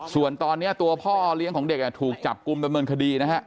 ส่วนตอนนี้ตัวพ่อเลี้ยงของเด็กถูกจับกลุ่มดำเนินคดีนะฮะ